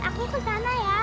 aku kesana ya